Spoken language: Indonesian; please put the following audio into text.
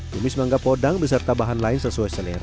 tumis mangga podang beserta bahan lain sesuai selera